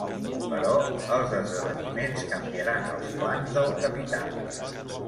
Però els esdeveniments canviaran els plans del capità.